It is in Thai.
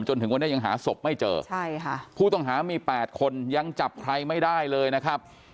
จนถึงวันนี้ยังหาศพไม่เจอใช่ค่ะผู้ต้องหามี๘คนยังจับใครไม่ได้เลยนะครับ